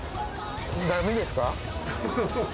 だめですか？